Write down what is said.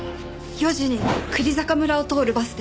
４時に久里坂村を通るバスです。